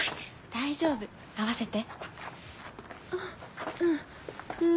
大丈夫合わせて。